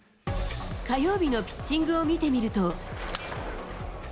火曜日のピッチングを見てみると。